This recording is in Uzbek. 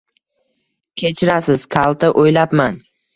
-Kechirasiz, kalta o’ylabman.